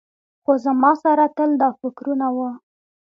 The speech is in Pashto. خو زما سره تل دا فکرونه وو.